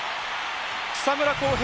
草村航平